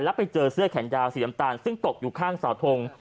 แล้วไปเจอเสื้อแขนยาวสีน้ำตาลซึ่งตกอยู่ข้างเสาทง